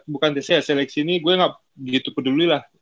bukan tc seleksi ini gue gak begitu peduli lah